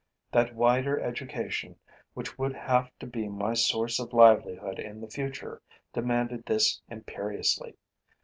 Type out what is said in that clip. That wider education, which would have to be my source of livelihood in the future, demanded this imperiously.